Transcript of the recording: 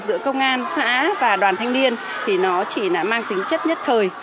giữa công an xã và đoàn thanh niên thì nó chỉ là mang tính chất nhất thời